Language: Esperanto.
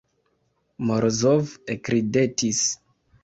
Morozov ekridetis.